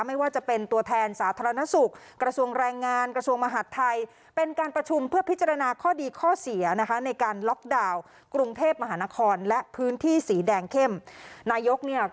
ไม่ว่าจะเป็นตัวแทนสาธารณสุกรัฐงานกับกระทรวงมาหัสไทย